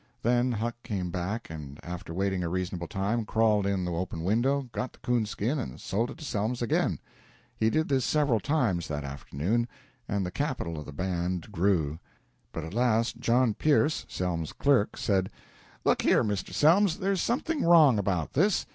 Then Huck came back and, after waiting a reasonable time, crawled in the open window, got the 'coon skin, and sold it to Selms again. He did this several times that afternoon, and the capital of the band grew. But at last John Pierce, Selms's clerk, said: "Look here, Mr. Selms, there's something wrong about this.